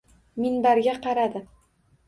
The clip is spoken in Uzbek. Minbarga qaradi.